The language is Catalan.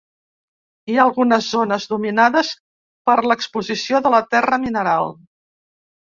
Hi ha algunes zones dominades per l'exposició de la terra mineral.